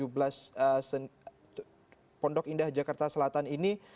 di pondok indah jakarta selatan ini